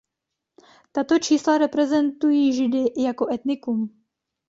Tato čísla reprezentují Židy jako etnikum.